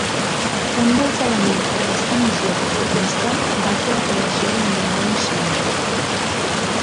Un dels elements d'aquesta missió reformista va ser la creació d'un museu nacional.